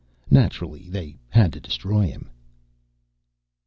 NATURALLY THEY HAD TO DESTROY HIM!